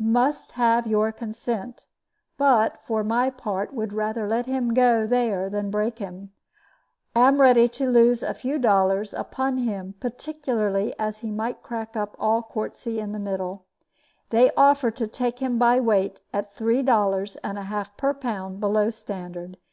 Must have your consent; but, for my part, would rather let him go there than break him. Am ready to lose a few dollars upon him, particularly as he might crack up all quartzy in the middle. They offer to take him by weight at three dollars and a half per pound below standard.